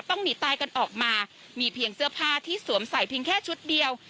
หนีตายกันออกมามีเพียงเสื้อผ้าที่สวมใส่เพียงแค่ชุดเดียว